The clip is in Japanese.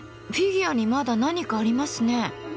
フィギュアにまだ何かありますね。